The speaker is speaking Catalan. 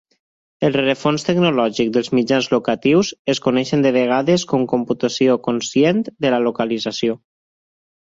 El rerefons tecnològic dels mitjans locatius es coneixen de vegades com "computació conscient de la localització".